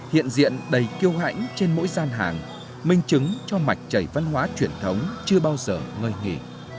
hiện diện đầy kêu hãnh trên mỗi gian hàng minh chứng cho mạch chảy văn hóa truyền thống chưa bao giờ ngơi nghỉ